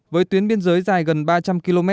với tuyến biên giới dài gần ba trăm linh km